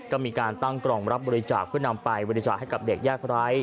ก็มีการตั้งกล่องรับบริจาคเพื่อนำไปบริจาคให้กับเด็กยากไร้